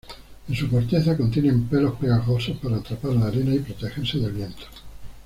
En su corteza contienen pelos pegajosos para atrapar la arena y protegerse del viento.